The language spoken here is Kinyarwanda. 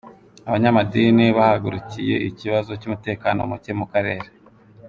Abanyamadini bahagurukiye ikibazo cy’umutekano muke mu Karere